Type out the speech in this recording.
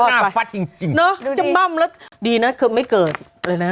น่าฟัดจริงจริงเนอะดูดิจะม่ำแล้วดีน่ะคือไม่เกิดเลยน่ะ